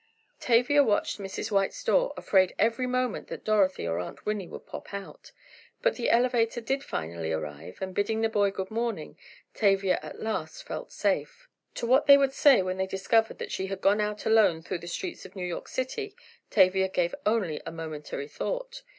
Tavia watched Mrs. White's door, afraid every moment that Dorothy or Aunt Winnie would pop out. But the elevator did finally arrive, and bidding the boy "good morning" Tavia at last felt safe. To what they would say when they discovered that she had gone out alone through the streets of New York city, Tavia gave only a momentary thought.